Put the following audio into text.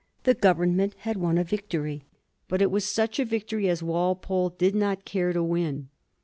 The Government had won a victory, but it was such a victory as Walpole did not care to win.